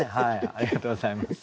ありがとうございます。